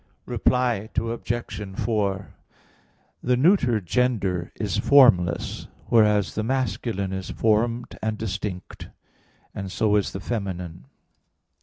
Reply Obj. 4: The neuter gender is formless; whereas the masculine is formed and distinct; and so is the feminine.